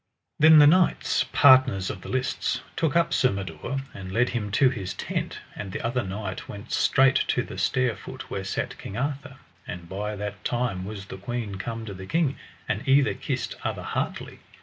Then the knights parters of the lists took up Sir Mador, and led him to his tent, and the other knight went straight to the stair foot where sat King Arthur; and by that time was the queen come to the king, and either kissed other heartily.